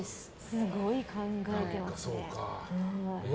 すごい考えてますね。